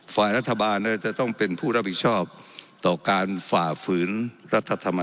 ฝ่ายรัฐบาลจะต้องเป็นผู้รับผิดชอบต่อการฝ่าฝืนรัฐธรรมน